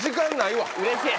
うれしい。